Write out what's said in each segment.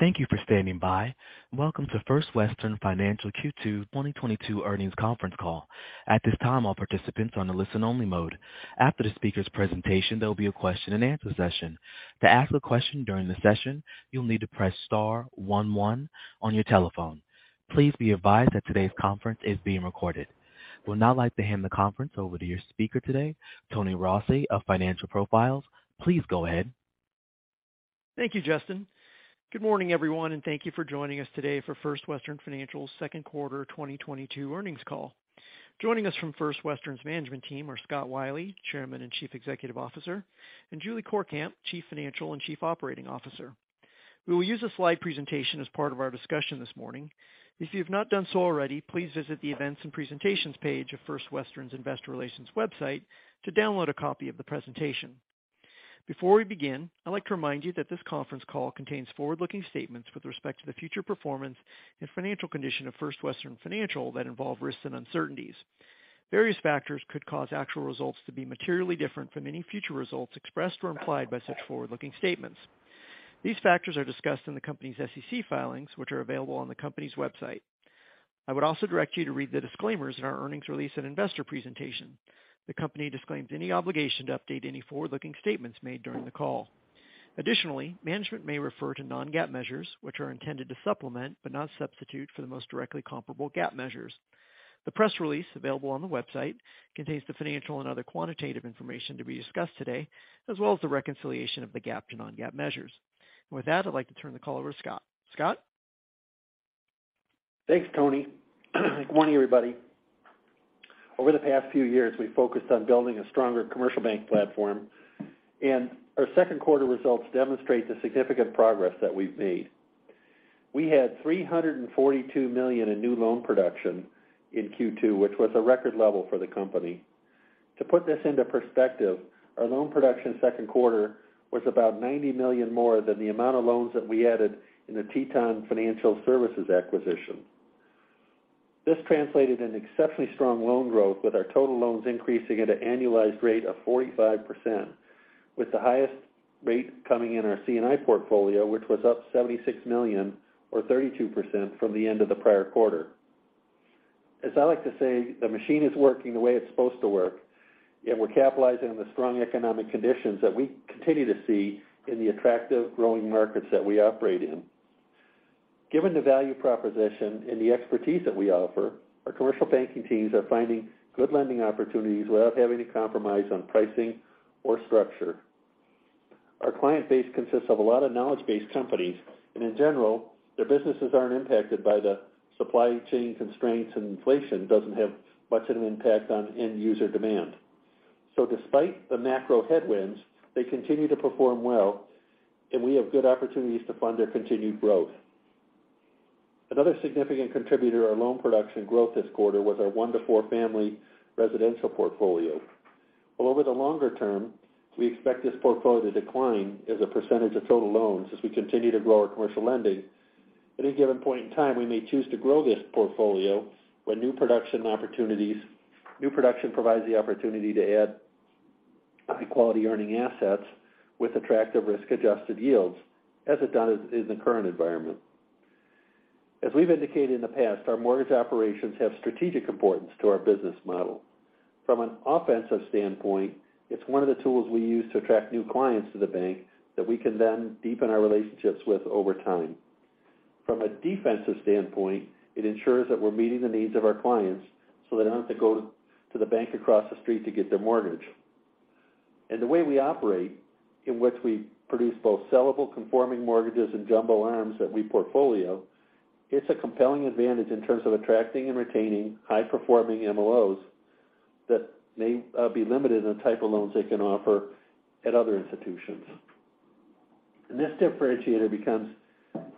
Thank you for standing by. Welcome to First Western Financial Q2 2022 earnings conference call. At this time, all participants are in a listen-only mode. After the speaker's presentation, there'll be a question-and-answer session. To ask a question during the session, you'll need to press star one one on your telephone. Please be advised that today's conference is being recorded. I would now like to hand the conference over to your speaker today, Tony Rossi of Financial Profiles. Please go ahead. Thank you, Justin. Good morning, everyone, and thank you for joining us today for First Western Financials' Q2 2022 earnings call. Joining us from First Western's management team are Scott Wylie, Chairman and Chief Executive Officer, and Julie Courkamp, Chief Financial and Chief Operating Officer. We will use a slide presentation as part of our discussion this morning. If you have not done so already, please visit the Events and Presentations page of First Western's investor relations website to download a copy of the presentation. Before we begin, I'd like to remind you that this conference call contains forward-looking statements with respect to the future performance and financial condition of First Western Financial that involve risks and uncertainties. Various factors could cause actual results to be materially different from any future results expressed or implied by such forward-looking statements. These factors are discussed in the company's SEC filings, which are available on the company's website. I would also direct you to read the disclaimers in our earnings release and investor presentation. The company disclaims any obligation to update any forward-looking statements made during the call. Additionally, management may refer to non-GAAP measures which are intended to supplement but not substitute for the most directly comparable GAAP measures. The press release available on the website contains the financial and other quantitative information to be discussed today, as well as the reconciliation of the GAAP to non-GAAP measures. With that, I'd like to turn the call over to Scott. Scott? Thanks, Tony. Good morning, everybody. Over the past few years, we've focused on building a stronger commercial bank platform, and our Q2 results demonstrate the significant progress that we've made. We had $342 million in new loan production in Q2, which was a record level for the company. To put this into perspective, our loan production Q2 was about $90 million more than the amount of loans that we added in the Teton Financial Services acquisition. This translated into exceptionally strong loan growth, with our total loans increasing at an annualized rate of 45%, with the highest rate coming in our C&I portfolio, which was up $76 million, or 32%, from the end of the prior quarter. As I like to say, the machine is working the way it's supposed to work, and we're capitalizing on the strong economic conditions that we continue to see in the attractive growing markets that we operate in. Given the value proposition and the expertise that we offer, our commercial banking teams are finding good lending opportunities without having to compromise on pricing or structure. Our client base consists of a lot of knowledge-based companies, and in general, their businesses aren't impacted by the supply chain constraints, and inflation doesn't have much of an impact on end user demand. Despite the macro headwinds, they continue to perform well and we have good opportunities to fund their continued growth. Another significant contributor to our loan production growth this quarter was our one-to-four family residential portfolio. While over the longer term, we expect this portfolio to decline as a percentage of total loans as we continue to grow our commercial lending. At any given point in time, we may choose to grow this portfolio when new production provides the opportunity to add high quality earning assets with attractive risk-adjusted yields as it does in the current environment. As we've indicated in the past, our mortgage operations have strategic importance to our business model. From an offensive standpoint, it's one of the tools we use to attract new clients to the bank that we can then deepen our relationships with over time. From a defensive standpoint, it ensures that we're meeting the needs of our clients so they don't have to go to the bank across the street to get their mortgage. The way we operate in which we produce both sellable conforming mortgages and jumbo ARMs that we portfolio, it's a compelling advantage in terms of attracting and retaining high-performing MLOs that may be limited in the type of loans they can offer at other institutions. This differentiator becomes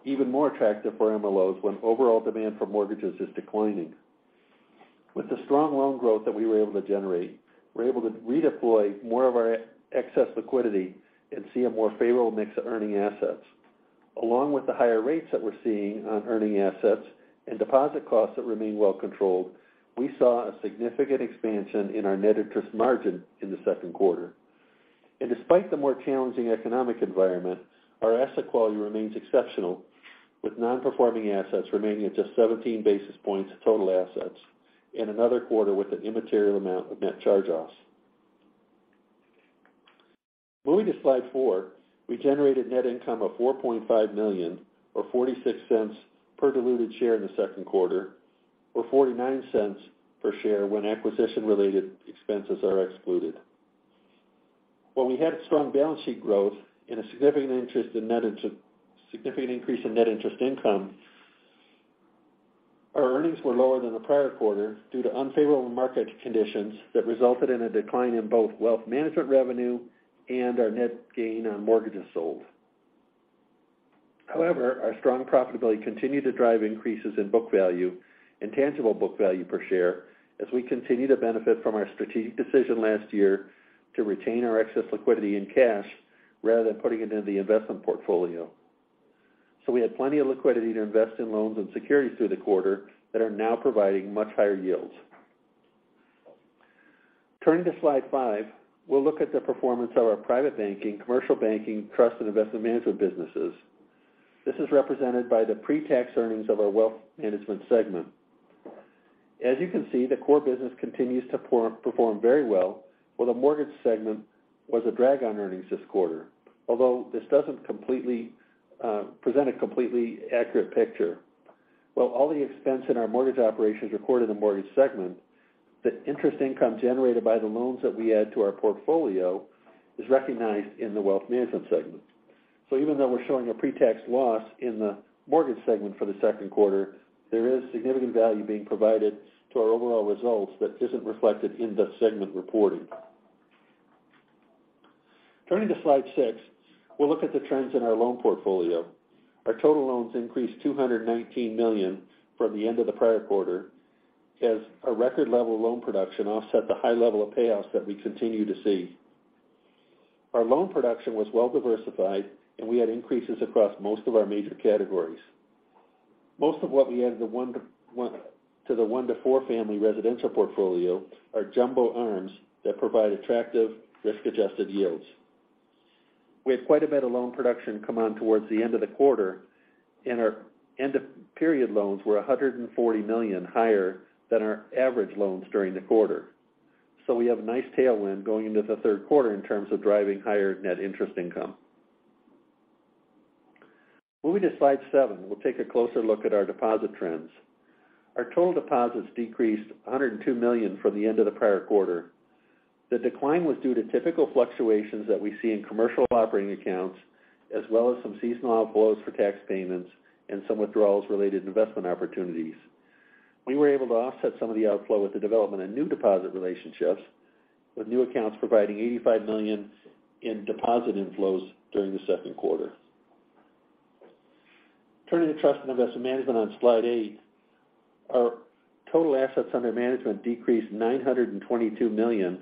even more attractive for MLOs when overall demand for mortgages is declining. With the strong loan growth that we were able to generate, we're able to redeploy more of our excess liquidity and see a more favorable mix of earning assets. Along with the higher rates that we're seeing on earning assets and deposit costs that remain well controlled, we saw a significant expansion in our net interest margin in the Q2. Despite the more challenging economic environment, our asset quality remains exceptional, with non-performing assets remaining at just 17 basis points of total assets and another quarter with an immaterial amount of net charge-offs. Moving to slide four. We generated net income of $4.5 million, or $0.46 per diluted share in the Q2, or $0.49 per share when acquisition-related expenses are excluded. While we had strong balance sheet growth and a significant increase in net interest income, our earnings were lower than the prior quarter due to unfavorable market conditions that resulted in a decline in both wealth management revenue and our net gain on mortgages sold. However, our strong profitability continued to drive increases in book value and tangible book value per share as we continue to benefit from our strategic decision last year to retain our excess liquidity in cash rather than putting it into the investment portfolio. We had plenty of liquidity to invest in loans and securities through the quarter that are now providing much higher yields. Turning to Slide five, we'll look at the performance of our private banking, commercial banking, trust, and investment management businesses. This is represented by the pre-tax earnings of our wealth management segment. As you can see, the core business continues to perform very well, while the mortgage segment was a drag on earnings this quarter. Although this doesn't completely present a completely accurate picture. While all the expense in our mortgage operations are recorded in the mortgage segment, the interest income generated by the loans that we add to our portfolio is recognized in the wealth management segment. Even though we're showing a pre-tax loss in the mortgage segment for the Q2, there is significant value being provided to our overall results that isn't reflected in the segment reporting. Turning to Slide six, we'll look at the trends in our loan portfolio. Our total loans increased $219 million from the end of the prior quarter as our record level loan production offset the high level of payoffs that we continue to see. Our loan production was well diversified, and we had increases across most of our major categories. Most of what we added to the one to four family residential portfolio are jumbo ARMs that provide attractive risk-adjusted yields. We had quite a bit of loan production come on towards the end of the quarter, and our end-of-period loans were $140 million higher than our average loans during the quarter. We have a nice tailwind going into the Q3 in terms of driving higher net interest income. Moving to Slide seven, we'll take a closer look at our deposit trends. Our total deposits decreased $102 million from the end of the prior quarter. The decline was due to typical fluctuations that we see in commercial operating accounts, as well as some seasonal outflows for tax payments and some withdrawals related to investment opportunities. We were able to offset some of the outflow with the development of new deposit relationships, with new accounts providing $85 million in deposit inflows during the Q2. Turning to trust and investment management on Slide eight, our total assets under management decreased $922 million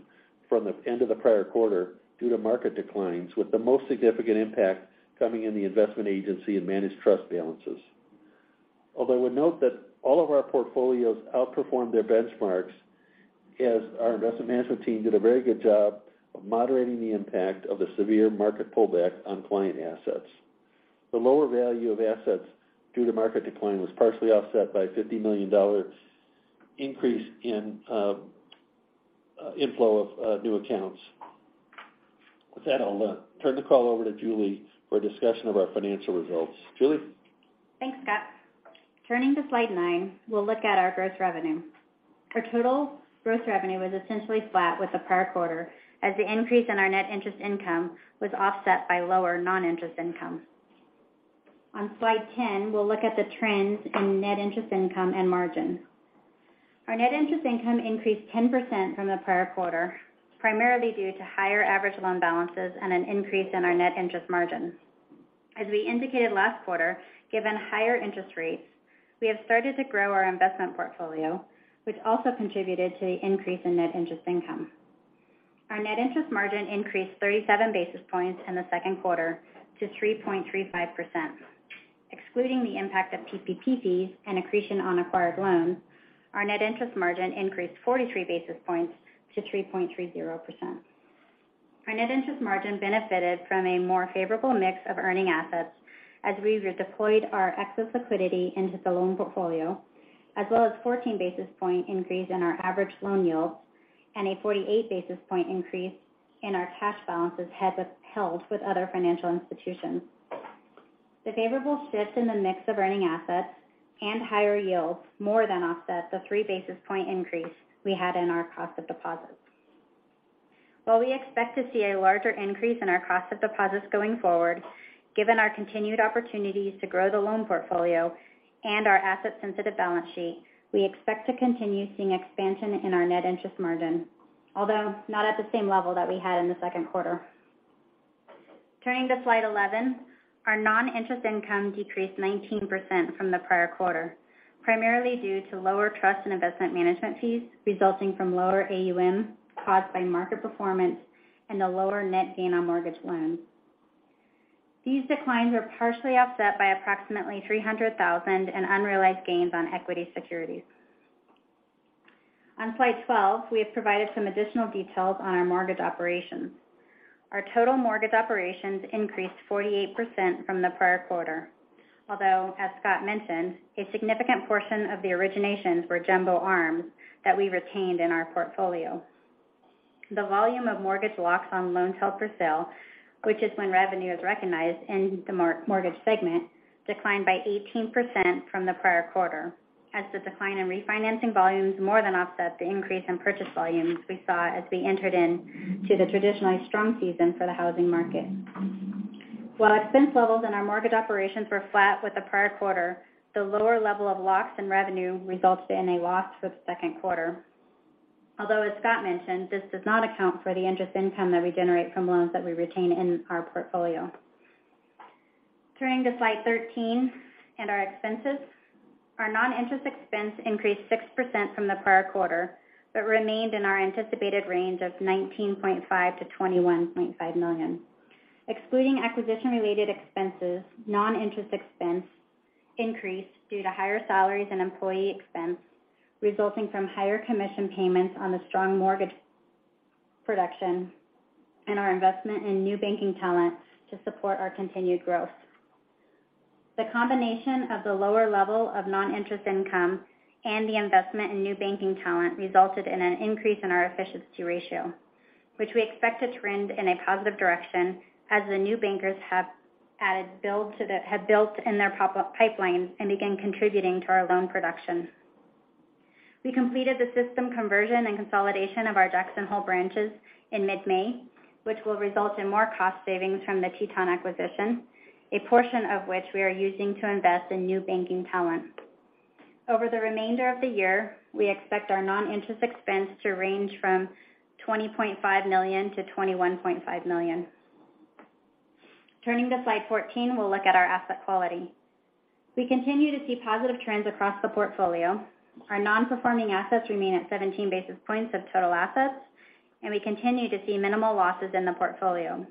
from the end of the prior quarter due to market declines, with the most significant impact coming in the investment agency and managed trust balances. Although I would note that all of our portfolios outperformed their benchmarks as our investment management team did a very good job of moderating the impact of the severe market pullback on client assets. The lower value of assets due to market decline was partially offset by a $50 million increase in inflow of new accounts. With that, I'll turn the call over to Julie for a discussion of our financial results. Julie? Thanks, Scott. Turning to Slide nine, we'll look at our gross revenue. Our total gross revenue was essentially flat with the prior quarter as the increase in our net interest income was offset by lower non-interest income. On Slide 10, we'll look at the trends in net interest income and margin. Our net interest income increased 10% from the prior quarter, primarily due to higher average loan balances and an increase in our net interest margins. As we indicated last quarter, given higher interest rates, we have started to grow our investment portfolio, which also contributed to the increase in net interest income. Our net interest margin increased 37 basis points in the Q2 to 3.35%. Excluding the impact of PPP and accretion on acquired loans, our net interest margin increased 43 basis points to 3.30%. Our net interest margin benefited from a more favorable mix of earning assets as we redeployed our excess liquidity into the loan portfolio, as well as 14 basis point increase in our average loan yields and a 48 basis point increase in our cash balances held with other financial institutions. The favorable shift in the mix of earning assets and higher yields more than offset the three basis point increase we had in our cost of deposits. While we expect to see a larger increase in our cost of deposits going forward, given our continued opportunities to grow the loan portfolio and our asset-sensitive balance sheet, we expect to continue seeing expansion in our net interest margin, although not at the same level that we had in the Q2. Turning to Slide 11, our non-interest income decreased 19% from the prior quarter, primarily due to lower trust and investment management fees resulting from lower AUM caused by market performance and a lower net gain on mortgage loans. These declines were partially offset by approximately $300,000 in unrealized gains on equity securities. On Slide 12, we have provided some additional details on our mortgage operations. Our total mortgage operations increased 48% from the prior quarter, although, as Scott mentioned, a significant portion of the originations were jumbo ARMs that we retained in our portfolio. The volume of mortgage locks on loans held for sale, which is when revenue is recognized in the mortgage segment, declined by 18% from the prior quarter as the decline in refinancing volumes more than offset the increase in purchase volumes we saw as we entered into the traditionally strong season for the housing market. While expense levels in our mortgage operations were flat with the prior quarter, the lower level of locks and revenue resulted in a loss for the Q2. Although, as Scott mentioned, this does not account for the interest income that we generate from loans that we retain in our portfolio. Turning to Slide 13 and our expenses, our non-interest expense increased 6% from the prior quarter but remained in our anticipated range of $19.5-$21.5 million. Excluding acquisition-related expenses, non-interest expense increased due to higher salaries and employee expense resulting from higher commission payments on the strong mortgage production and our investment in new banking talent to support our continued growth. The combination of the lower level of non-interest income and the investment in new banking talent resulted in an increase in our efficiency ratio, which we expect to trend in a positive direction as the new bankers have built in their pipeline and begin contributing to our loan production. We completed the system conversion and consolidation of our Jackson Hole branches in mid-May, which will result in more cost savings from the Teton acquisition, a portion of which we are using to invest in new banking talent. Over the remainder of the year, we expect our non-interest expense to range from $20.5 million-$21.5 million. Turning to slide 14, we'll look at our asset quality. We continue to see positive trends across the portfolio. Our non-performing assets remain at 17 basis points of total assets, and we continue to see minimal losses in the portfolio.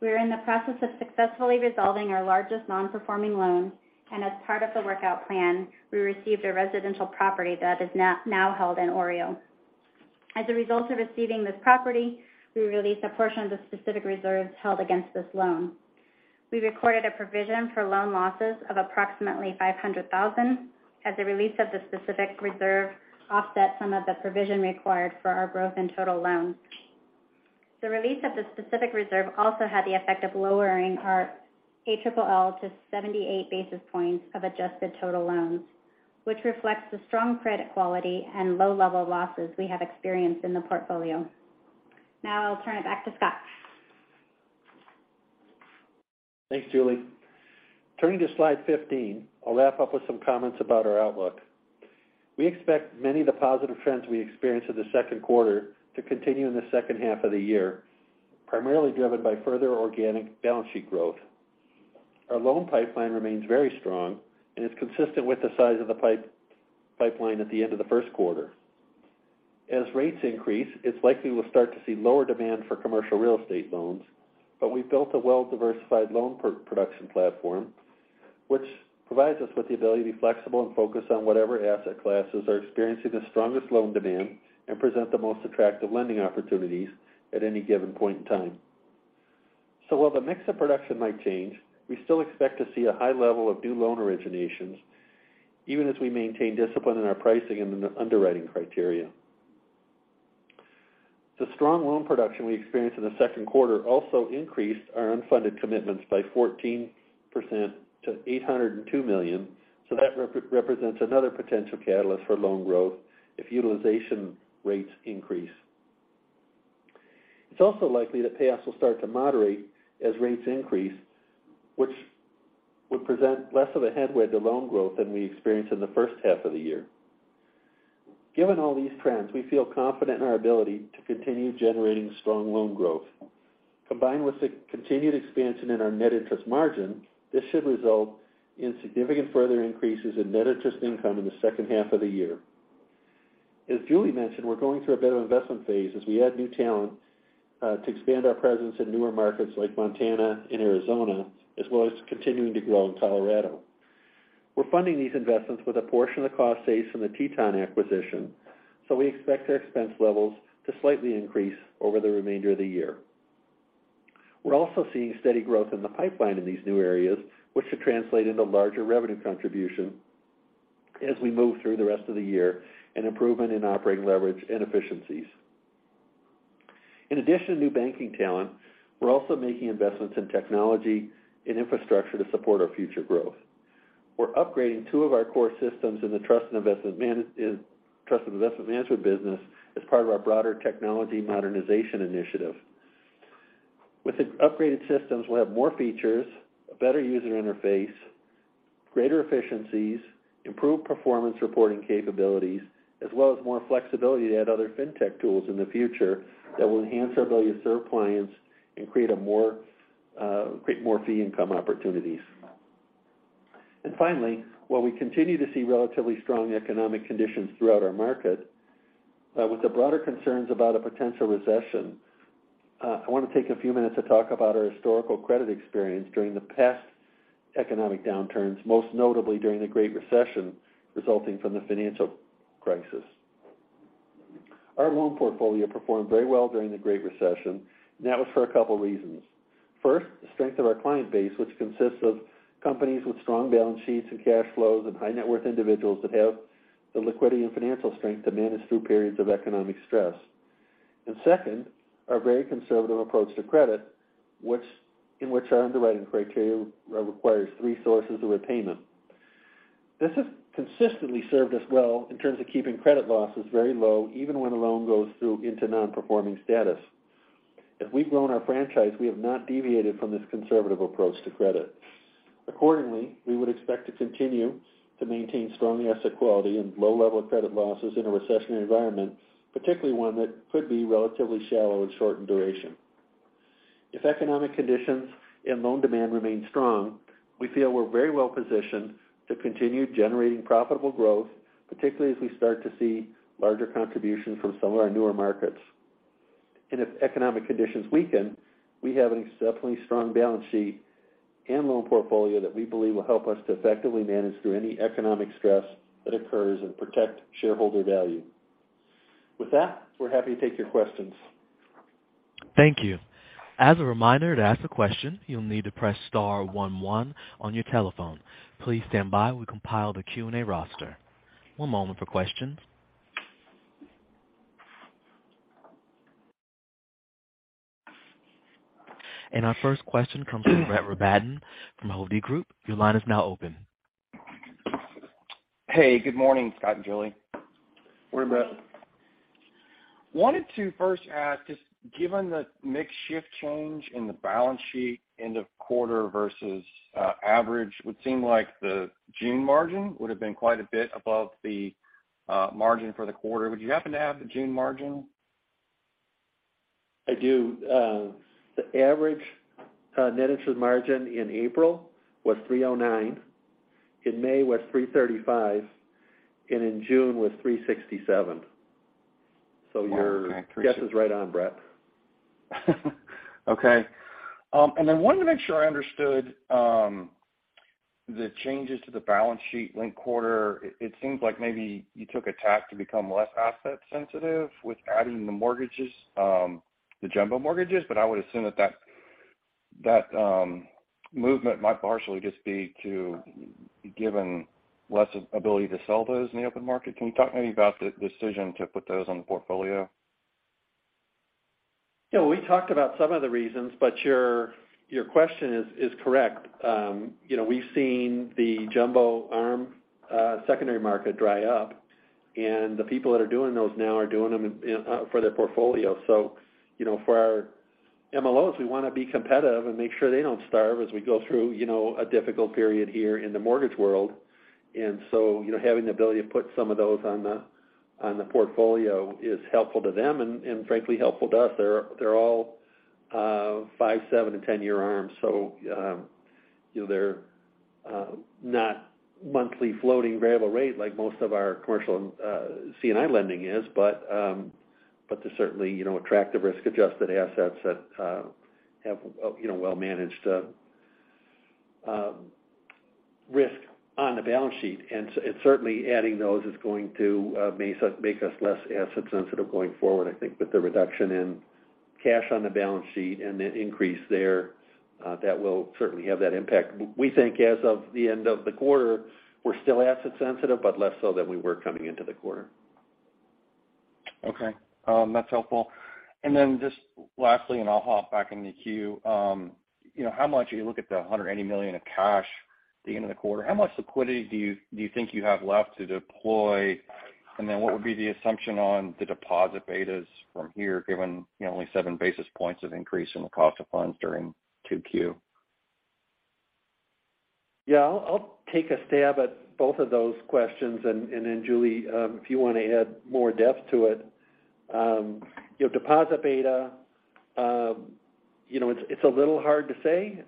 We are in the process of successfully resolving our largest non-performing loan, and as part of the workout plan, we received a residential property that is now held in OREO. As a result of receiving this property, we released a portion of the specific reserves held against this loan. We recorded a provision for loan losses of approximately $500,000 as a release of the specific reserve offset some of the provision required for our growth in total loans. The release of the specific reserve also had the effect of lowering our ALL to 78 basis points of adjusted total loans, which reflects the strong credit quality and low level of losses we have experienced in the portfolio. Now I'll turn it back to Scott. Thanks, Julie. Turning to slide 15, I'll wrap up with some comments about our outlook. We expect many of the positive trends we experienced in the Q2 to continue in the second half of the year, primarily driven by further organic balance sheet growth. Our loan pipeline remains very strong and is consistent with the size of the pipeline at the end of the Q1. As rates increase, it's likely we'll start to see lower demand for commercial real estate loans, but we've built a well-diversified loan production platform, which provides us with the ability to be flexible and focused on whatever asset classes are experiencing the strongest loan demand and present the most attractive lending opportunities at any given point in time. While the mix of production might change, we still expect to see a high level of new loan originations even as we maintain discipline in our pricing and in the underwriting criteria. The strong loan production we experienced in the Q2 also increased our unfunded commitments by 14% to $802 million. That represents another potential catalyst for loan growth if utilization rates increase. It's also likely that payoffs will start to moderate as rates increase, which would present less of a headwind to loan growth than we experienced in the first half of the year. Given all these trends, we feel confident in our ability to continue generating strong loan growth. Combined with the continued expansion in our net interest margin, this should result in significant further increases in net interest income in the second half of the year. As Julie mentioned, we're going through a bit of an investment phase as we add new talent to expand our presence in newer markets like Montana and Arizona, as well as continuing to grow in Colorado. We're funding these investments with a portion of the cost savings from the Teton acquisition, so we expect our expense levels to slightly increase over the remainder of the year. We're also seeing steady growth in the pipeline in these new areas, which should translate into larger revenue contribution as we move through the rest of the year, an improvement in operating leverage and efficiencies. In addition to new banking talent, we're also making investments in technology and infrastructure to support our future growth. We're upgrading two of our core systems in the trust and investment management business as part of our broader technology modernization initiative. With the upgraded systems, we'll have more features, a better user interface, greater efficiencies, improved performance reporting capabilities, as well as more flexibility to add other fintech tools in the future that will enhance our ability to serve clients and create more fee income opportunities. Finally, while we continue to see relatively strong economic conditions throughout our market, with the broader concerns about a potential recession, I wanna take a few minutes to talk about our historical credit experience during the past economic downturns, most notably during the Great Recession resulting from the financial crisis. Our loan portfolio performed very well during the Great Recession, and that was for a couple reasons. First, the strength of our client base, which consists of companies with strong balance sheets and cash flows and high net worth individuals that have the liquidity and financial strength to manage through periods of economic stress. Second, our very conservative approach to credit, in which our underwriting criteria requires three sources of repayment. This has consistently served us well in terms of keeping credit losses very low, even when a loan goes through into non-performing status. As we've grown our franchise, we have not deviated from this conservative approach to credit. Accordingly, we would expect to continue to maintain strong asset quality and low level of credit losses in a recessionary environment, particularly one that could be relatively shallow and short in duration. If economic conditions and loan demand remain strong, we feel we're very well positioned to continue generating profitable growth, particularly as we start to see larger contributions from some of our newer markets. If economic conditions weaken, we have an exceptionally strong balance sheet and loan portfolio that we believe will help us to effectively manage through any economic stress that occurs and protect shareholder value. With that, we're happy to take your questions. Thank you. As a reminder, to ask a question, you'll need to press star one one on your telephone. Please stand by. We'll compile the Q&A roster. One moment for questions. Our first question comes from Brett Rabatin from Hovde Group. Your line is now open. Hey, good morning, Scott and Julie. Morning, Brett. Wanted to first ask, just given the mix shift change in the balance sheet end of quarter versus average, would seem like the June margin would have been quite a bit above the margin for the quarter. Would you happen to have the June margin? I do. The average net interest margin in April was 3.09%. In May was 3.35%, and in June was 3.67%. Your guess is right on, Brett. Wanted to make sure I understood the changes to the balance sheet linked quarter. It seems like maybe you took a tack to become less asset sensitive with adding the mortgages, the jumbo mortgages. I would assume that movement might partially just be due to the less ability to sell those in the open market. Can you talk maybe about the decision to put those on the portfolio? Yeah, we talked about some of the reasons, but your question is correct. You know, we've seen the jumbo ARM secondary market dry up, and the people that are doing those now are doing them in for their portfolio. You know, for our MLOs, we wanna be competitive and make sure they don't starve as we go through, you know, a difficult period here in the mortgage world. You know, having the ability to put some of those on the portfolio is helpful to them and frankly helpful to us. They're all five to seven to 10-year ARMs. You know, they're not monthly floating variable rate like most of our commercial C&I lending is. To certainly, you know, attract the risk-adjusted assets that have, you know, well-managed risk on the balance sheet. Certainly adding those is going to make us less asset sensitive going forward. I think with the reduction in cash on the balance sheet and the increase there, that will certainly have that impact. We think as of the end of the quarter, we're still asset sensitive, but less so than we were coming into the quarter. Okay. That's helpful. Just lastly, and I'll hop back in the queue. You know, how much, you look at the $180 million of cash at the end of the quarter. How much liquidity do you think you have left to deploy? What would be the assumption on the deposit betas from here, given you know, only seven basis points of increase in the cost of funds during 2Q? Yeah. I'll take a stab at both of those questions and then Julie, if you wanna add more depth to it. You know, deposit beta, you know, it's a little hard to say.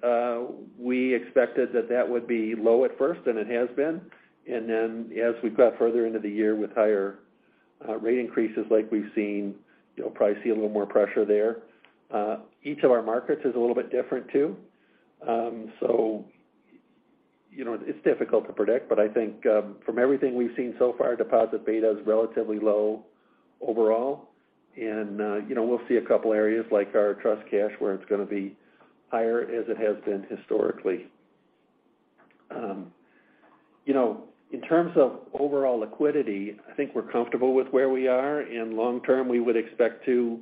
We expected that would be low at first, and it has been. Then as we got further into the year with higher rate increases like we've seen, you'll probably see a little more pressure there. Each of our markets is a little bit different too. You know, it's difficult to predict, but I think from everything we've seen so far, deposit beta is relatively low overall. You know, we'll see a couple areas like our trust cash, where it's gonna be higher as it has been historically. You know, in terms of overall liquidity, I think we're comfortable with where we are, and long term, we would expect to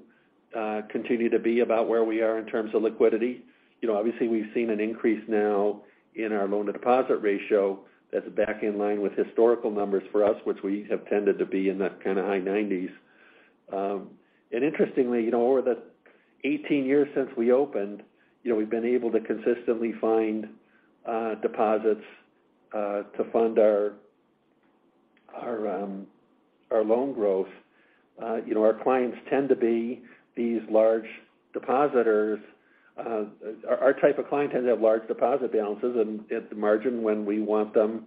continue to be about where we are in terms of liquidity. You know, obviously, we've seen an increase now in our loan-to-deposit ratio that's back in line with historical numbers for us, which we have tended to be in the kind of high 90s. Interestingly, you know, over the 18 years since we opened, you know, we've been able to consistently find deposits to fund our loan growth. You know, our clients tend to be these large depositors. Our type of client tends to have large deposit balances, and at the margin, when we want them,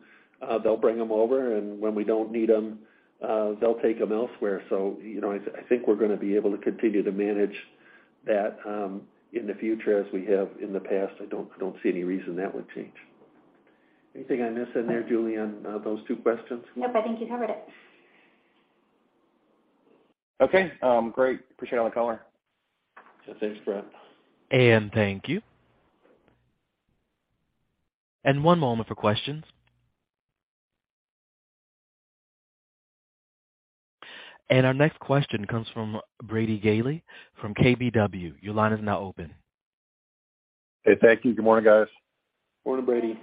they'll bring them over. When we don't need them, they'll take them elsewhere. You know, I think we're gonna be able to continue to manage that in the future as we have in the past. I don't see any reason that would change. Anything I missed in there, Julie, on those two questions? Nope, I think you covered it. Okay. Great. Appreciate all the color. Thanks, Brett. Thank you. One moment for questions. Our next question comes from Brady Gailey from KBW. Your line is now open. Hey, thank you. Good morning, guys. Morning, Brady.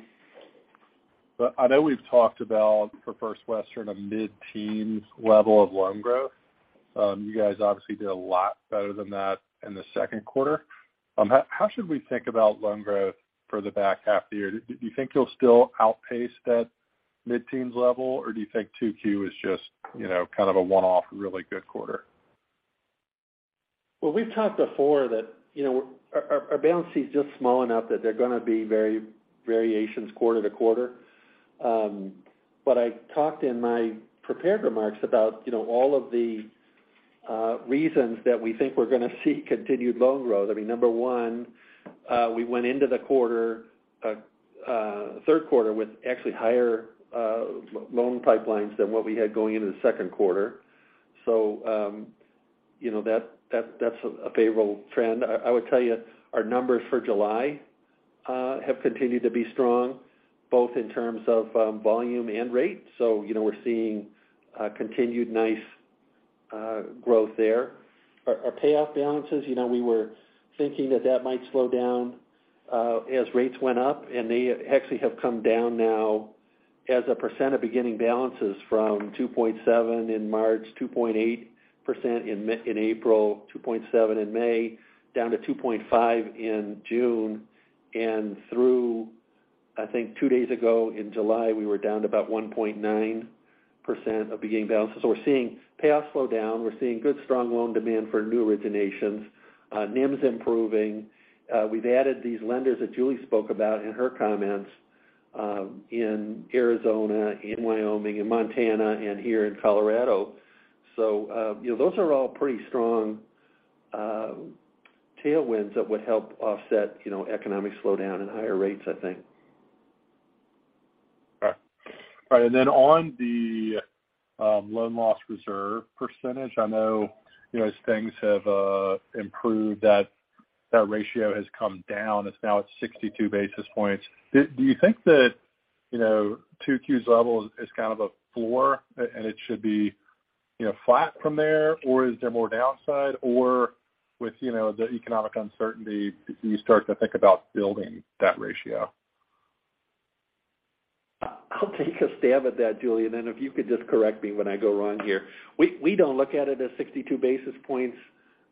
I know we've talked about for First Western a mid-teens level of loan growth. You guys obviously did a lot better than that in the Q2. How should we think about loan growth for the back half of the year? Do you think you'll still outpace that mid-teens level, or do you think 2Q is just, you know, kind of a one-off really good quarter? Well, we've talked before that, you know, our balance sheet is just small enough that there are gonna be variations quarter to quarter. I talked in my prepared remarks about, you know, all of the reasons that we think we're gonna see continued loan growth. I mean, number one, we went into the quarter, Q3 with actually higher loan pipelines than what we had going into the Q2. You know that that's a favorable trend. I would tell you our numbers for July have continued to be strong both in terms of volume and rate. You know, we're seeing continued nice growth there. Our payoff balances, you know, we were thinking that might slow down as rates went up, and they actually have come down now as a percent of beginning balances from 2.7% in March, 2.8% in April, 2.7% in May, down to 2.5% in June. Through, I think, two days ago in July, we were down to about 1.9% of beginning balances. We're seeing payoffs slow down. We're seeing good, strong loan demand for new originations, NIMs improving. We've added these lenders that Julie spoke about in her comments in Arizona, in Wyoming, in Montana, and here in Colorado. You know, those are all pretty strong tailwinds that would help offset economic slowdown and higher rates, I think. All right, and then on the loan loss reserve percentage, I know, you know, as things have improved that ratio has come down. It's now at 62 basis points. Do you think that, you know, 2Q's level is kind of a floor and it should be, you know, flat from there? Or is there more downside? Or with, you know, the economic uncertainty, do you start to think about building that ratio? I'll take a stab at that, Julie, and if you could just correct me when I go wrong here. We don't look at it as 62 basis points,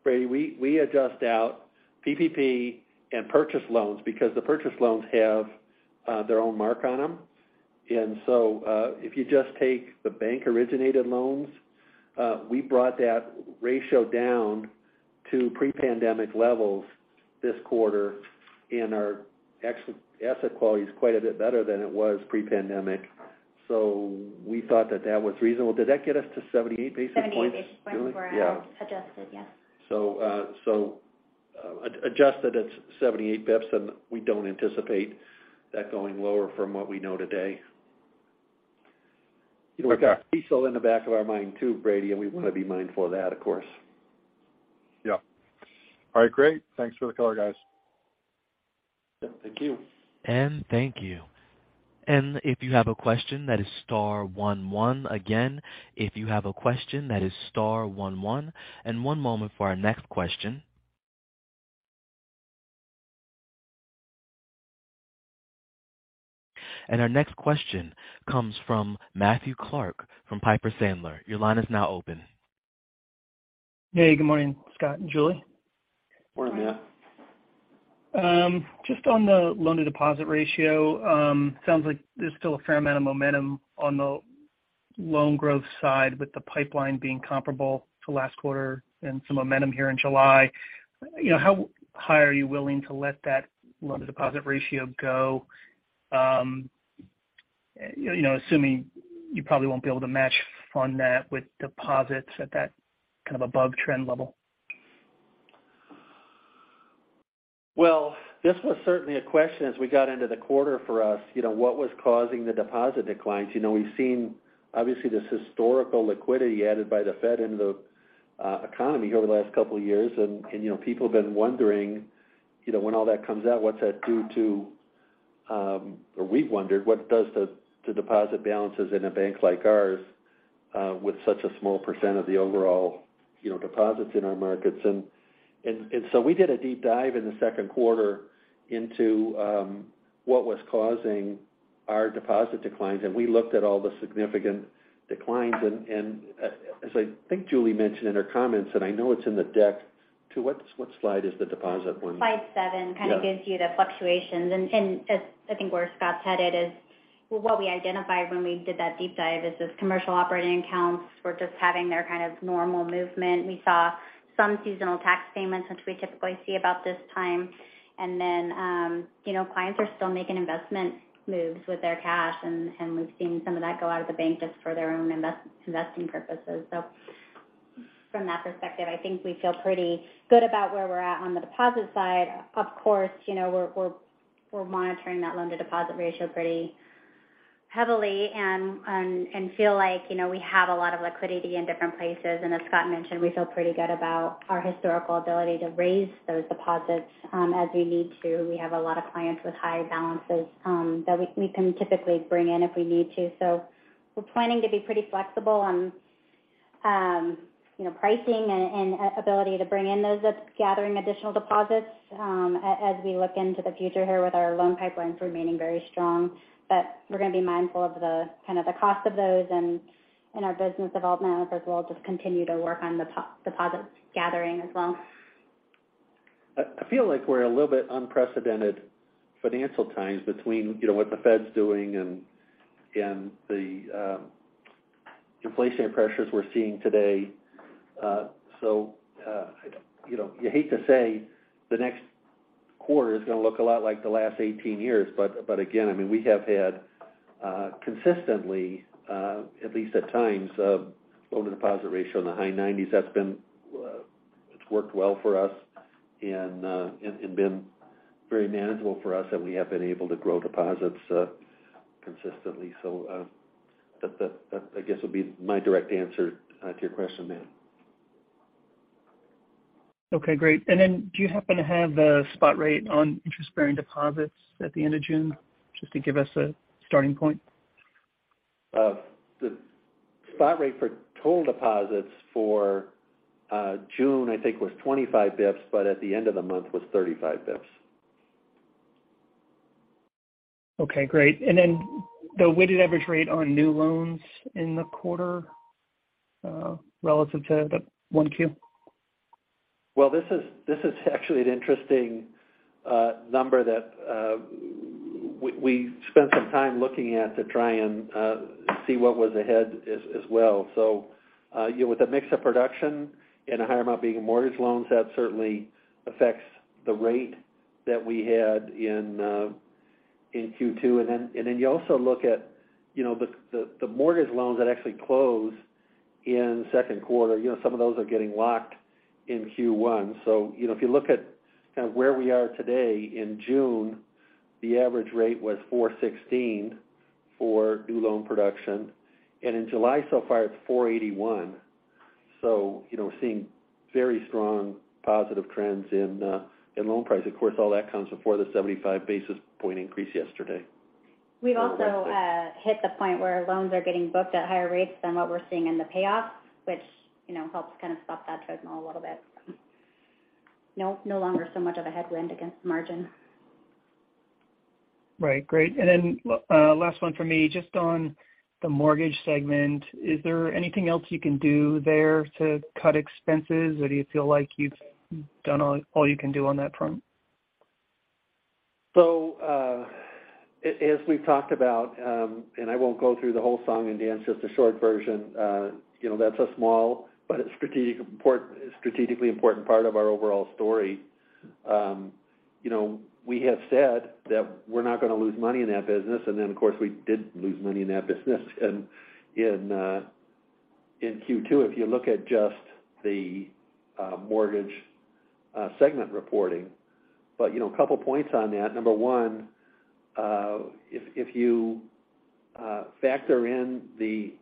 Brady. We adjust out PPP and purchase loans because the purchase loans have their own mark on them. If you just take the bank-originated loans, we brought that ratio down to pre-pandemic levels this quarter, and our ex-asset quality is quite a bit better than it was pre-pandemic. We thought that that was reasonable. Did that get us to 78 basis points, Julie? 78 basis points where I adjusted, yes. Adjusted, it's 78 basis points, and we don't anticipate that going lower from what we know today. Okay. We've got CECL in the back of our mind too, Brady, and we want to be mindful of that, of course. Yeah. All right, great. Thanks for the color, guys. Yeah, thank you. Thank you. If you have a question, that is star one one. Again, if you have a question, that is star one one. One moment for our next question. Our next question comes from Matthew Clark from Piper Sandler. Your line is now open. Hey, good morning, Scott and Julie. Morning, Matt. Just on the loan-to-deposit ratio, sounds like there's still a fair amount of momentum on the loan growth side with the pipeline being comparable to last quarter and some momentum here in July. You know, how high are you willing to let that loan-to-deposit ratio go? You know, assuming you probably won't be able to match fund that with deposits at that kind of above-trend level. Well, this was certainly a question as we got into the quarter for us, you know, what was causing the deposit declines. You know, we've seen obviously this historical liquidity added by the Fed into the economy over the last couple of years. You know, people have been wondering, you know, when all that comes out, what's that do to, or we've wondered what it does to the deposit balances in a bank like ours, with such a small percent of the overall, you know, deposits in our markets. We did a deep dive in the Q2 into what was causing our deposit declines, and we looked at all the significant declines. As I think Julie mentioned in her comments, and I know it's in the deck. To what slide is the deposit one? Slide seven kind of gives you the fluctuations. Yeah. I think where Scott's headed is what we identified when we did that deep dive is this commercial operating accounts were just having their kind of normal movement. We saw some seasonal tax payments which we typically see about this time. you know, clients are still making investment moves with their cash, and we've seen some of that go out of the bank just for their own investing purposes. From that perspective, I think we feel pretty good about where we're at on the deposit side. Of course, you know, we're monitoring that loan-to-deposit ratio pretty heavily and feel like, you know, we have a lot of liquidity in different places. as Scott mentioned, we feel pretty good about our historical ability to raise those deposits, as we need to. We have a lot of clients with high balances, that we can typically bring in if we need to. We're planning to be pretty flexible on, you know, pricing and ability to bring in those, gathering additional deposits, as we look into the future here with our loan pipelines remaining very strong. We're gonna be mindful of the kind of the cost of those and our business development office as well just continue to work on deposit gathering as well. I feel like we're in a little bit unprecedented financial times between, you know, what the Fed's doing and the inflation pressures we're seeing today. You know, you hate to say the next quarter is going to look a lot like the last 18 years, but again, I mean, we have had consistently at least at times loan-to-deposit ratio in the high 90s. That's been. It's worked well for us and been very manageable for us, and we have been able to grow deposits consistently. That I guess would be my direct answer to your question, Matt. Okay, great. Do you happen to have a spot rate on interest-bearing deposits at the end of June, just to give us a starting point? The spot rate for total deposits for June, I think, was 25 basis points, but at the end of the month was 35 basis points. Okay, great. The weighted average rate on new loans in the quarter, relative to the 1Q? Well, this is actually an interesting number that we spent some time looking at to try and see what was ahead as well. You know, with a mix of production and a higher amount being mortgage loans, that certainly affects the rate that we had in Q2. You also look at, you know, the mortgage loans that actually close in Q2. You know, some of those are getting locked in Q1. You know, if you look at kind of where we are today in June, the average rate was 4.16% for new loan production. In July so far, it's 4.81%. You know, seeing very strong positive trends in loan pricing. Of course, all that comes before the 75 basis point increase yesterday. We've also hit the point where loans are getting booked at higher rates than what we're seeing in the payoff, which, you know, helps kind of stop that treadmill a little bit. Now, no longer so much of a headwind against margin. Right. Great. Last one for me, just on the mortgage segment, is there anything else you can do there to cut expenses, or do you feel like you've done all you can do on that front? As we've talked about, and I won't go through the whole song and dance, just a short version, you know, that's a small but strategically important part of our overall story. You know, we have said that we're not going to lose money in that business. Then of course, we did lose money in that business. In Q2, if you look at just the mortgage segment reporting. You know, a couple points on that. Number one, if you factor in the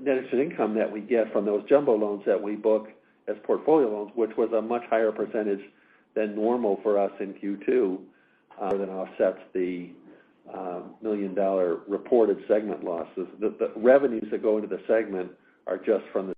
net interest income that we get from those jumbo loans that we book as portfolio loans, which was a much higher percentage than normal for us in Q2, more than offsets the $1 million reported segment losses. The revenues that go into the segment are just from the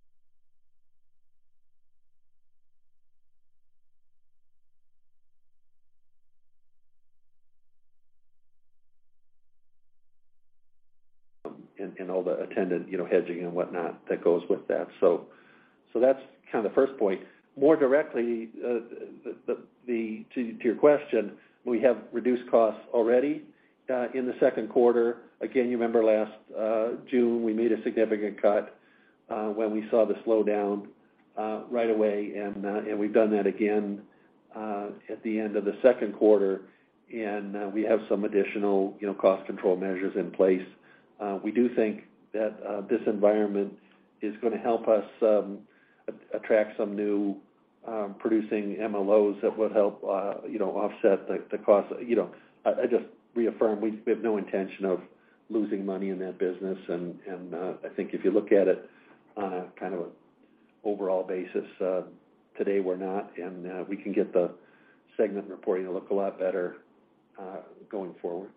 and all the attendant, you know, hedging and whatnot that goes with that. That's kind of the first point. More directly, to your question, we have reduced costs already in the Q2. Again, you remember last June, we made a significant cut when we saw the slowdown right away. We've done that again at the end of the Q2. We have some additional, you know, cost control measures in place. We do think that this environment is going to help us attract some new producing MLOs that would help, you know, offset the cost. You know, I just reaffirm we have no intention of losing money in that business. I think if you look at it on a kind of overall basis, today we're not. We can get the segment reporting to look a lot better going forward.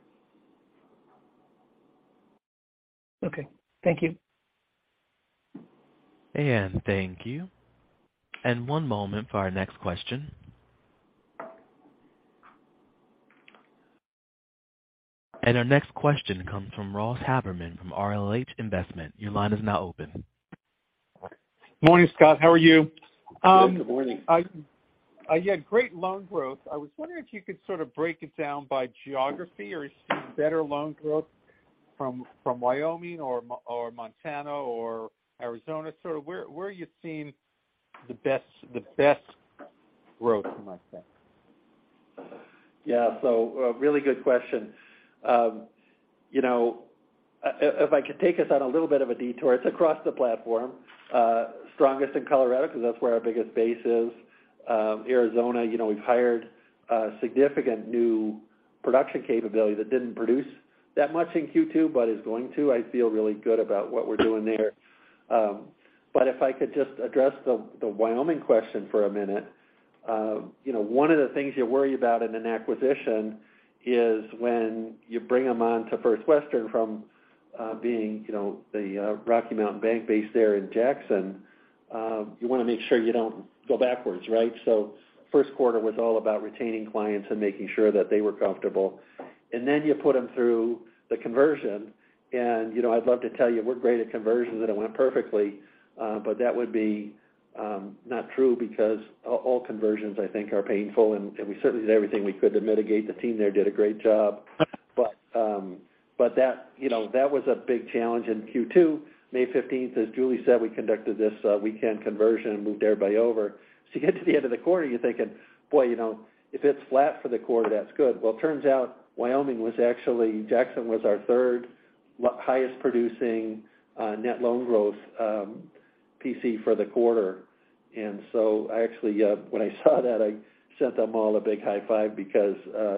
Okay, thank you. Thank you. One moment for our next question. Our next question comes from Ross Haberman from RLH Investments. Your line is now open. Morning, Scott. How are you? Good. Good morning. I hear great loan growth. I was wondering if you could sort of break it down by geography or are you seeing better loan growth from Wyoming or Montana or Arizona, sort of where are you seeing the best growth from like that? Yeah. A really good question. You know, if I could take us on a little bit of a detour, it's across the platform. Strongest in Colorado because that's where our biggest base is. Arizona, you know, we've hired a significant new production capability that didn't produce that much in Q2 but is going to. I feel really good about what we're doing there. If I could just address the Wyoming question for a minute. You know, one of the things you worry about in an acquisition is when you bring them on to First Western from being, you know, the Rocky Mountain Bank based there in Jackson, you want to make sure you don't go backwards, right? Q1 was all about retaining clients and making sure that they were comfortable. Then you put them through the conversion. You know, I'd love to tell you we're great at conversions and it went perfectly, but that would be not true because all conversions I think are painful, and we certainly did everything we could to mitigate. The team there did a great job. That you know that was a big challenge in Q2. May 15th, as Julie said, we conducted this weekend conversion and moved everybody over. You get to the end of the quarter, you're thinking, boy, you know, if it's flat for the quarter, that's good. Well, it turns out Jackson was our third highest producing net loan growth PC for the quarter. I actually, when I saw that, I sent them all a big high five because,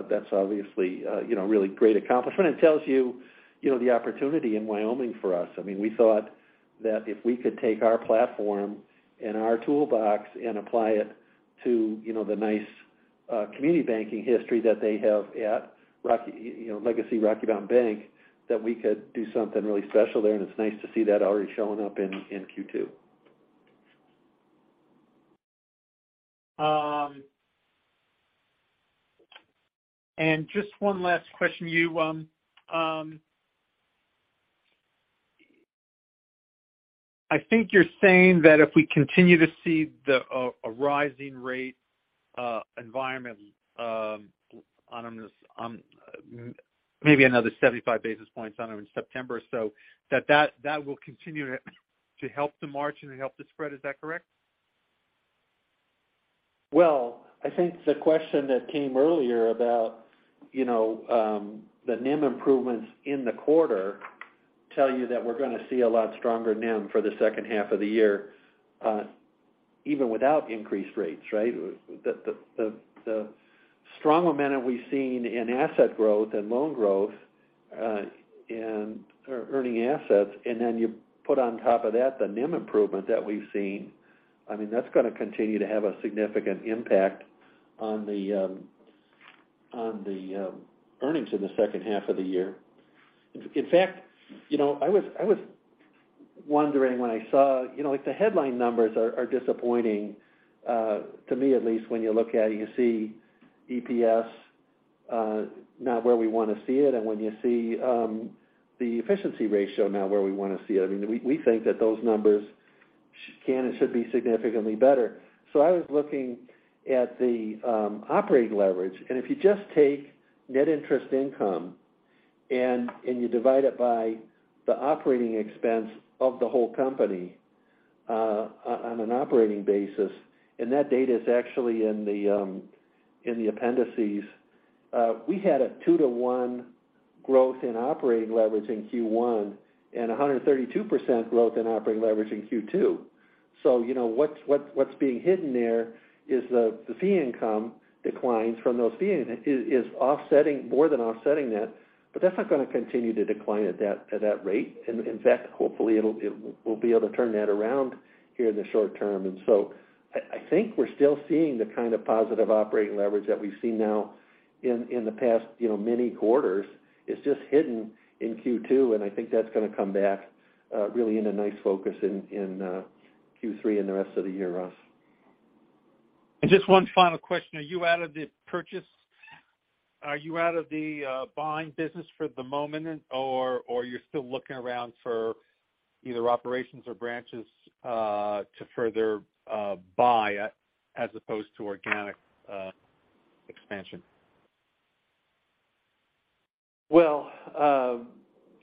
that's obviously, you know, a really great accomplishment. It tells you know, the opportunity in Wyoming for us. I mean, we thought that if we could take our platform and our toolbox and apply it to, you know, the nice, community banking history that they have at Rocky Mountain Bank, that we could do something really special there. It's nice to see that already showing up in Q2. Just one last question to you. I think you're saying that if we continue to see a rising rate environment, maybe another 75 basis points on them in September, so that will continue to help the margin and help the spread. Is that correct? Well, I think the question that came earlier about, you know, the NIM improvements in the quarter tell you that we're gonna see a lot stronger NIM for the second half of the year, even without increased rates, right? The strong momentum we've seen in asset growth and loan growth in earning assets, and then you put on top of that the NIM improvement that we've seen, I mean, that's gonna continue to have a significant impact on the earnings in the second half of the year. In fact, you know, I was wondering when I saw, you know, like the headline numbers are disappointing to me at least when you look at it, you see EPS not where we want to see it. When you see the efficiency ratio not where we want to see it, I mean, we think that those numbers can and should be significantly better. I was looking at the operating leverage, and if you just take net interest income and you divide it by the operating expense of the whole company, on an operating basis, and that data is actually in the appendices. We had a two-to-one growth in operating leverage in Q1 and 132% growth in operating leverage in Q2. You know, what's being hidden there is the fee income declines from those fees is offsetting, more than offsetting that. But that's not gonna continue to decline at that rate. In fact, hopefully we'll be able to turn that around here in the short term. I think we're still seeing the kind of positive operating leverage that we've seen now in the past, you know, many quarters. It's just hidden in Q2, and I think that's gonna come back really in a nice fashion in Q3 and the rest of the year, Ross. Just one final question. Are you out of the purchase? Are you out of the buying business for the moment, or you're still looking around for either operations or branches to further buy as opposed to organic expansion? Well,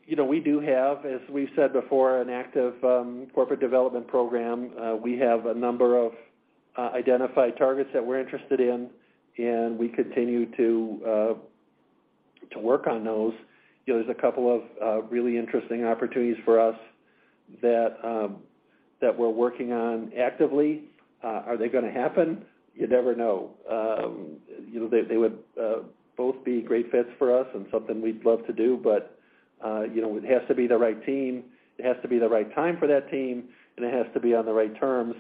you know, we do have, as we've said before, an active corporate development program. We have a number of identified targets that we're interested in, and we continue to work on those. You know, there's a couple of really interesting opportunities for us that we're working on actively. Are they gonna happen? You never know. You know, they would both be great fits for us and something we'd love to do. But you know, it has to be the right team, it has to be the right time for that team, and it has to be on the right terms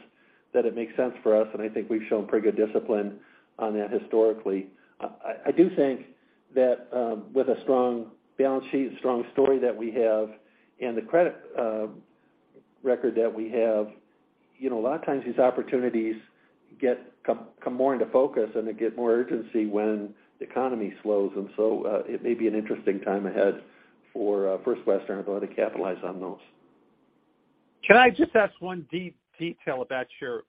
that it makes sense for us. I think we've shown pretty good discipline on that historically. I do think that with a strong balance sheet, strong story that we have and the credit record that we have, you know, a lot of times these opportunities come more into focus and they get more urgency when the economy slows. It may be an interesting time ahead for First Western to be able to capitalize on those. Can I just ask one detail about your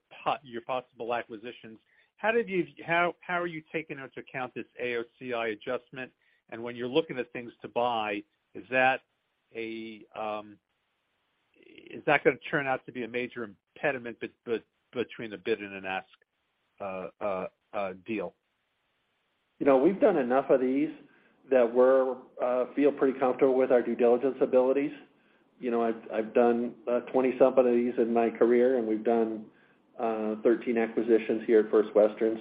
possible acquisitions? How are you taking into account this AOCI adjustment? When you're looking at things to buy, is that gonna turn out to be a major impediment between the bid and ask deal? You know, we've done enough of these that we feel pretty comfortable with our due diligence abilities. You know, I've done 20-something of these in my career, and we've done 13 acquisitions here at First Western.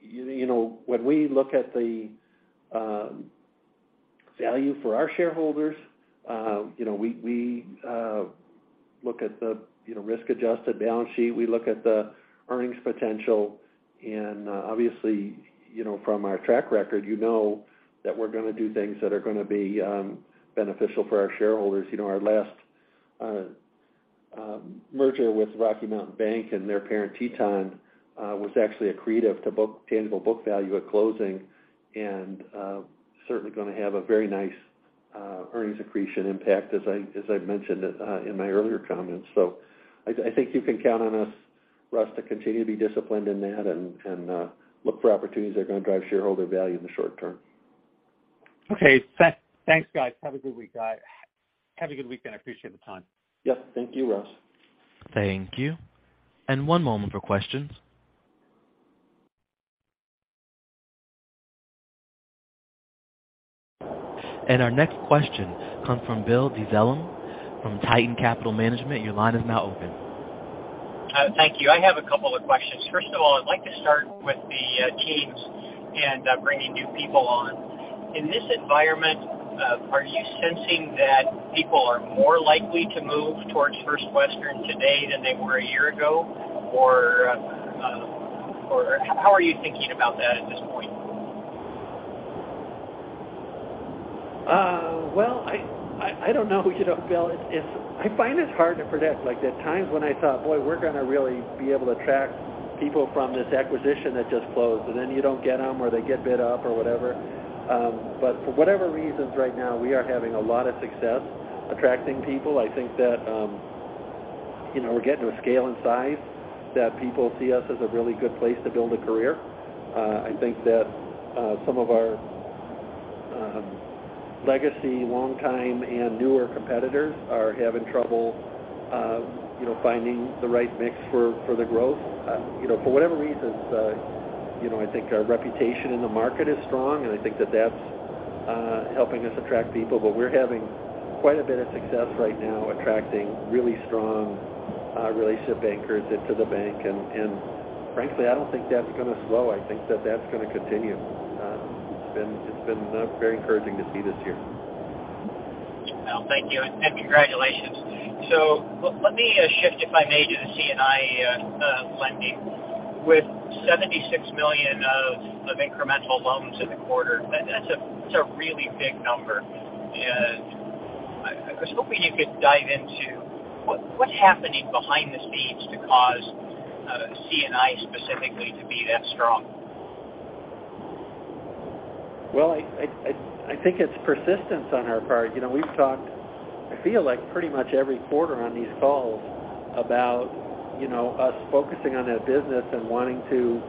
You know, when we look at the value for our shareholders, you know, we look at the risk-adjusted balance sheet. We look at the earnings potential. Obviously, you know, from our track record, you know that we're gonna do things that are gonna be beneficial for our shareholders. You know, our last merger with Rocky Mountain Bank and their parent Teton was actually accretive to tangible book value at closing and certainly gonna have a very nice earnings accretion impact, as I mentioned in my earlier comments. I think you can count on us, Ross, to continue to be disciplined in that and look for opportunities that are going to drive shareholder value in the short term. Okay. Thanks, guys. Have a good week. Have a good weekend. I appreciate the time. Yep. Thank you, Russ. Thank you. One moment for questions. Our next question comes from Bill Dezellem from Tieton Capital Management. Your line is now open. Thank you. I have a couple of questions. First of all, I'd like to start with the teams and bringing new people on. In this environment, are you sensing that people are more likely to move towards First Western today than they were a year ago, or how are you thinking about that at this point? Well, I don't know, Bill. I find this hard to predict. Like, at times when I thought, boy, we're gonna really be able to attract people from this acquisition that just closed, and then you don't get them or they get bid up or whatever. But for whatever reasons right now, we are having a lot of success attracting people. I think that, you know, we're getting to a scale and size that people see us as a really good place to build a career. I think that some of our legacy, long time, and newer competitors are having trouble, you know, finding the right mix for the growth. You know, for whatever reasons, you know, I think our reputation in the market is strong, and I think that that's helping us attract people. We're having quite a bit of success right now attracting really strong relationship bankers into the bank. Frankly, I don't think that's gonna slow. I think that's gonna continue. It's been very encouraging to see this year. Well, thank you. Congratulations. Let me shift, if I may, to the C&I lending. With $76 million of incremental loans in the quarter, that's a really big number. I was hoping you could dive into what's happening behind the scenes to cause C&I specifically to be that strong. Well, I think it's persistence on our part. You know, we've talked, I feel like pretty much every quarter on these calls about, you know, us focusing on that business and wanting to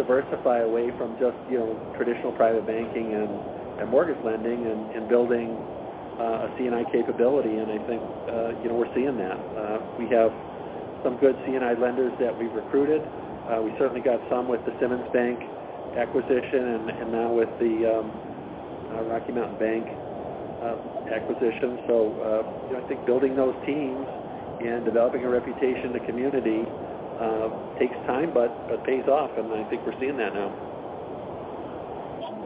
diversify away from just, you know, traditional private banking and mortgage lending and building a C&I capability. I think, you know, we're seeing that. We have some good C&I lenders that we've recruited. We certainly got some with the Simmons Bank acquisition and now with the Rocky Mountain Bank acquisition. You know, I think building those teams and developing a reputation in the community takes time but pays off. I think we're seeing that now.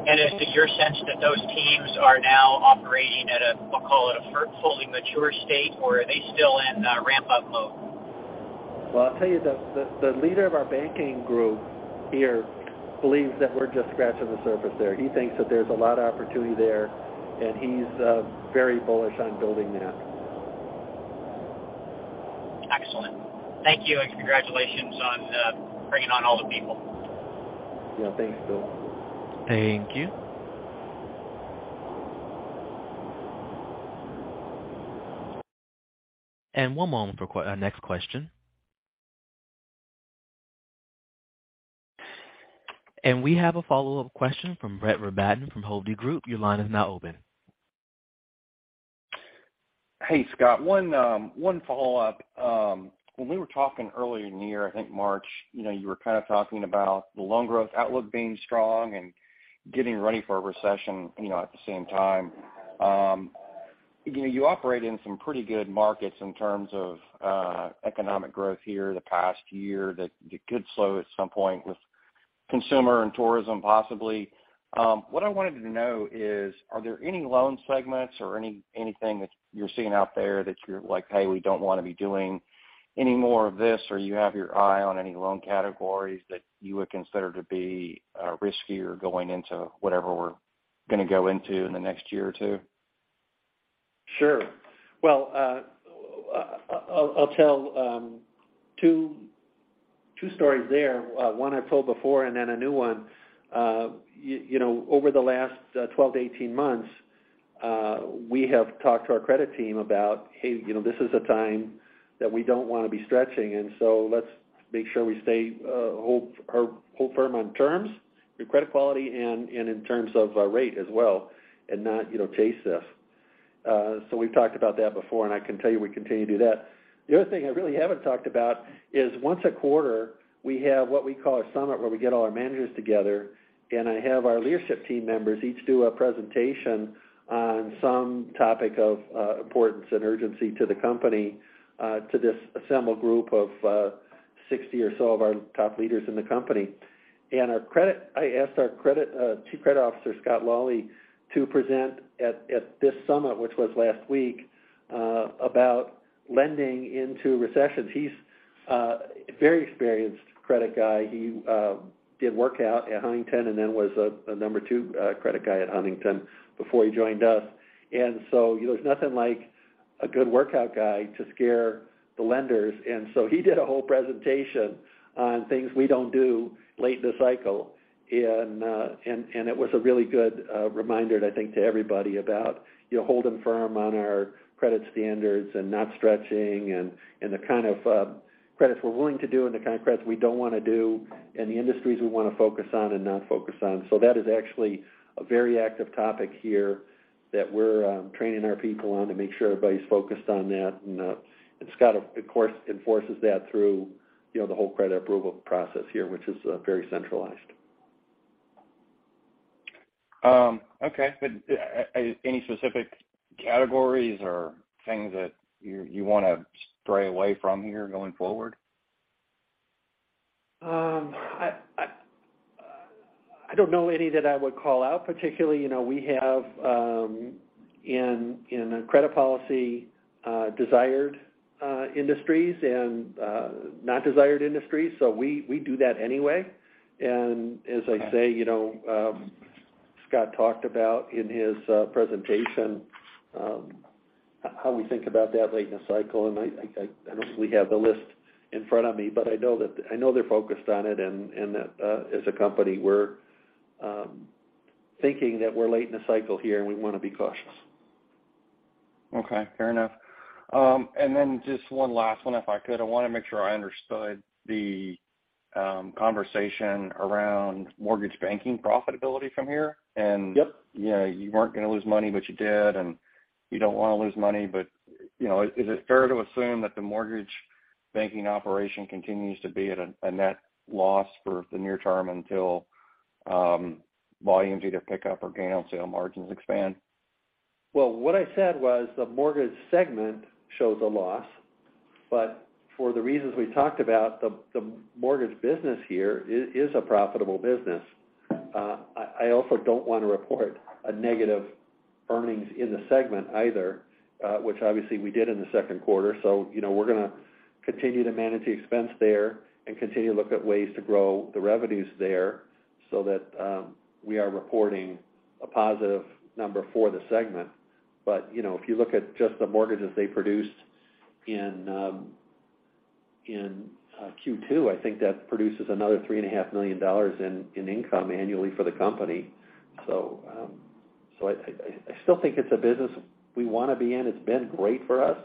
Is it your sense that those teams are now operating at a, we'll call it a fully mature state, or are they still in ramp-up mode? Well, I'll tell you, the leader of our banking group here believes that we're just scratching the surface there. He thinks that there's a lot of opportunity there, and he's very bullish on building that. Excellent. Thank you, and congratulations on bringing on all the people. Yeah, thanks, Bill. Thank you. One moment for our next question. We have a follow-up question from Brett Rabatin from Hovde Group. Your line is now open. Hey, Scott. One follow-up. When we were talking earlier in the year, I think March, you know, you were kind of talking about the loan growth outlook being strong and getting ready for a recession, you know, at the same time. You know, you operate in some pretty good markets in terms of economic growth here the past year that it could slow at some point with consumer and tourism possibly. What I wanted to know is, are there any loan segments or anything that you're seeing out there that you're like, "Hey, we don't wanna be doing any more of this," or you have your eye on any loan categories that you would consider to be riskier going into whatever we're gonna go into in the next year or two? Sure. Well, I'll tell two stories there. One I've told before and then a new one. You know, over the last 12 to 18 months, we have talked to our credit team about, hey, you know, this is a time that we don't wanna be stretching, and so let's make sure we stay or hold firm on terms, our credit quality, and in terms of rate as well and not, you know, chase this. We've talked about that before, and I can tell you we continue to do that. The other thing I really haven't talked about is once a quarter, we have what we call a summit, where we get all our managers together, and I have our leadership team members each do a presentation on some topic of importance and urgency to the company to this assembled group of 60 or so of our top leaders in the company. I asked our Chief Credit Officer, Scott Lawley, to present at this summit, which was last week, about lending into recessions. He's a very experienced credit guy. He did work out at Huntington and then was a number two credit guy at Huntington before he joined us. You know, there's nothing like a good workout guy to scare the lenders. He did a whole presentation on things we don't do late in the cycle. It was a really good reminder, I think, to everybody about, you know, holding firm on our credit standards and not stretching and the kind of credits we're willing to do and the kind of credits we don't wanna do, and the industries we wanna focus on and not focus on. That is actually a very active topic here that we're training our people on to make sure everybody's focused on that. Scott of course enforces that through, you know, the whole credit approval process here, which is very centralized. Okay. Any specific categories or things that you wanna stray away from here going forward? I don't know any that I would call out particularly. You know, we have in a credit policy desired industries and not desired industries, so we do that anyway. As I say, you know, Scott talked about in his presentation how we think about that late in the cycle. I don't think we have the list in front of me, but I know they're focused on it, and that as a company, we're thinking that we're late in the cycle here and we wanna be cautious. Okay, fair enough. Just one last one, if I could. I wanna make sure I understood the conversation around mortgage banking profitability from here. Yep. You know, you weren't gonna lose money, but you did, and you don't wanna lose money. You know, is it fair to assume that the mortgage banking operation continues to be at a net loss for the near term until volumes either pick up or gain on sale margins expand? Well, what I said was the mortgage segment shows a loss, but for the reasons we talked about, the mortgage business here is a profitable business. I also don't wanna report negative earnings in the segment either, which obviously we did in the Q2. You know, we're gonna continue to manage the expense there and continue to look at ways to grow the revenues there so that we are reporting a positive number for the segment. You know, if you look at just the mortgages they produced in Q2, I think that produces another $3.5 million in income annually for the company. I still think it's a business we wanna be in. It's been great for us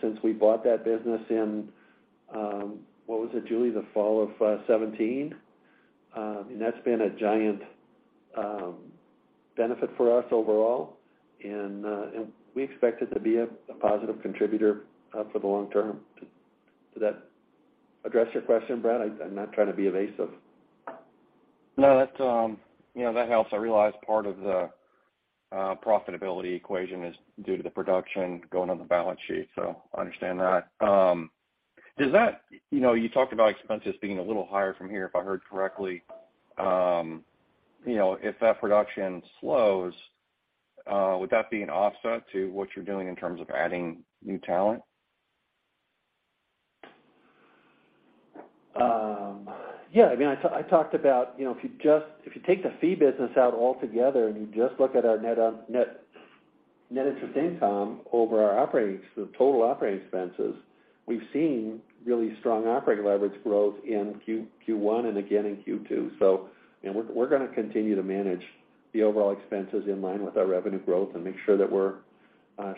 since we bought that business in, what was it, Julie? The fall of 2017. That's been a giant benefit for us overall. We expect it to be a positive contributor for the long term. Did that address your question, Brett? I'm not trying to be evasive. No, that's you know, that helps. I realize part of the profitability equation is due to the production going on the balance sheet, so I understand that. You know, you talked about expenses being a little higher from here, if I heard correctly. You know, if that production slows, would that be an offset to what you're doing in terms of adding new talent? Yeah. I mean, I talked about, you know, if you just if you take the fee business out altogether and you just look at our net interest income over the total operating expenses, we've seen really strong operating leverage growth in Q1 and again in Q2. So, you know, we're gonna continue to manage the overall expenses in line with our revenue growth and make sure that we're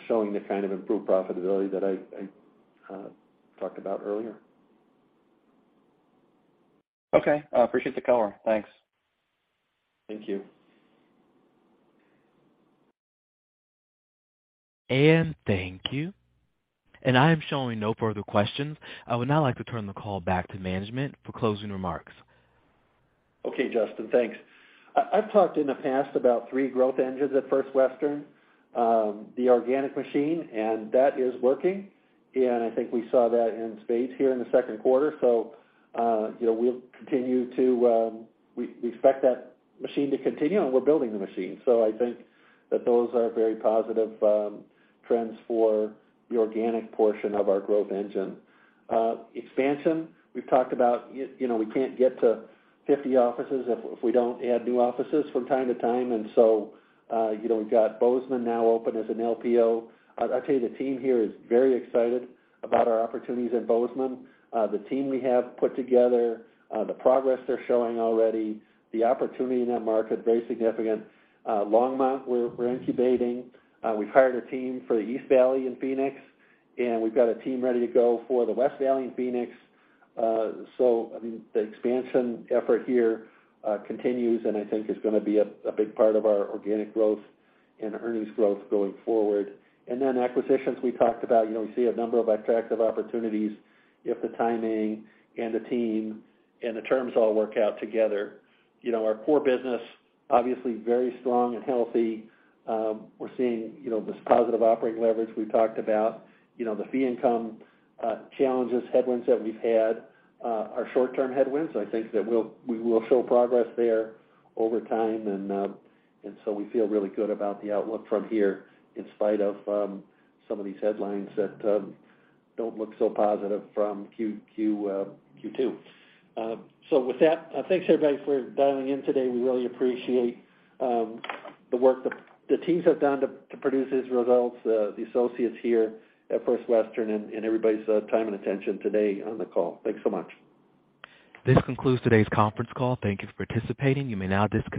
showing the kind of improved profitability that I talked about earlier. Okay. I appreciate the color. Thanks. Thank you. Thank you. I am showing no further questions. I would now like to turn the call back to management for closing remarks. Okay, Justin, thanks. I've talked in the past about three growth engines at First Western. The organic machine, and that is working. I think we saw that in spades here in the Q2. You know, we expect that machine to continue, and we're building the machine. I think that those are very positive trends for the organic portion of our growth engine. Expansion, we've talked about. You know, we can't get to 50 offices if we don't add new offices from time to time. You know, we've got Bozeman now open as an LPO. I tell you the team here is very excited about our opportunities in Bozeman. The team we have put together, the progress they're showing already, the opportunity in that market, very significant. Longmont, we're incubating. We've hired a team for the East Valley in Phoenix, and we've got a team ready to go for the West Valley in Phoenix. So, I mean, the expansion effort here continues and I think is gonna be a big part of our organic growth and earnings growth going forward. Acquisitions we talked about. You know, we see a number of attractive opportunities if the timing and the team and the terms all work out together. You know, our core business, obviously very strong and healthy. We're seeing, you know, this positive operating leverage we've talked about. You know, the fee income challenges, headwinds that we've had are short-term headwinds. I think that we will show progress there over time. We feel really good about the outlook from here in spite of some of these headlines that don't look so positive from Q2. With that, thanks everybody for dialing in today. We really appreciate the work the teams have done to produce these results. The associates here at First Western and everybody's time and attention today on the call. Thanks so much. This concludes today's conference call. Thank you for participating. You may now disconnect.